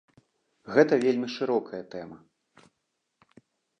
Гэта вельмі шырокая тэма.